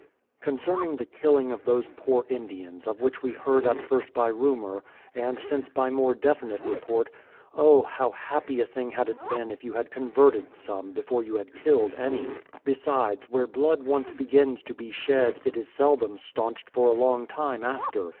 Concerning the killing of those poor Indians, of which we heard at first by rumour, and since by more definite report, oh ! how happy a thing had it been if you had converted some, before 5^ou had killed any. Besides, where blood once begins to be shed, it is seldom staunched for a long time after.